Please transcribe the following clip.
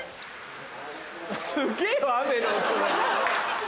すげぇよ雨の音が。